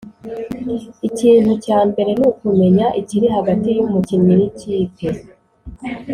Ikintu cya mbere nukumenya ikiri hagati y’umukinnyi n’ikipe